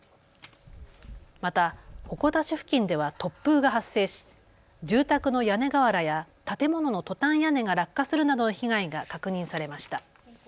また鉾田市付近では突風が発生し住宅の屋根瓦や建物のトタン屋根が落下するなどの被害が確認されました。